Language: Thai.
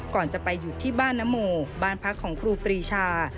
ก่อนจะไปหยุดที่บ้านนโมบ้านพักของครูปรีชา